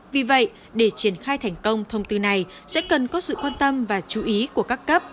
vì vậy để triển khai thành công thông tư này sẽ cần có sự quan tâm và chú ý của các cấp